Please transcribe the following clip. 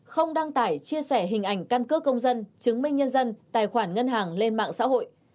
không đăng tải chia sẻ hình ảnh căn cước công dân chứng minh nhân dân tài khoản ngân hàng lên mạng xã hội